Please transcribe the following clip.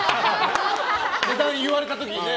値段言われた時ね。